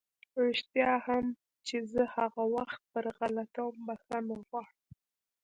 رښتيا هم چې زه هغه وخت پر غلطه وم، بښنه غواړم!